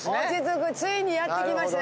ついにやってきましたね